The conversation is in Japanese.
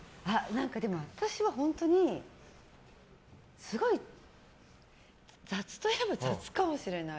でも私は本当にすごい雑といえば雑かもしれない。